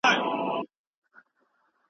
بدن د ګلوکوز لپاره عضلات ماتوي.